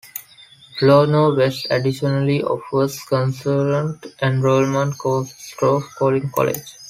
Plano West additionally offers concurrent enrollment courses through Collin College.